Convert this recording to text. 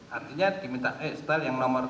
artinya diminta eh setelah yang nomor